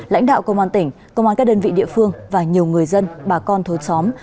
lãnh đạo công an tỉnh công an các đơn vị địa phương và nhiều người dân bà con thối xóm